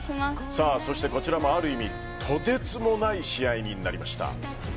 そしてこちらも、ある意味とてつもない試合になりました。